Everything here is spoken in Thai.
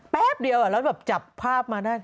แป๊บเดียวแล้วแบบจับภาพมาได้